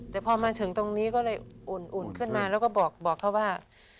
แต่พอมาถึงตรงนี้ก็เลยอุ่นขึ้นมาแล้วก็บอกเขาว่า